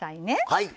はい！